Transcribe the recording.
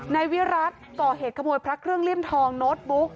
นายวิรัติก่อเหตุขโมยพระเครื่องเลี่ยมทองโน้ตบุ๊ก